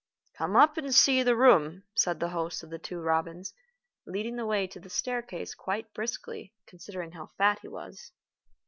"Come up and see the room," said the host of The Two Robins, leading the way to the staircase quite briskly, considering how fat he was.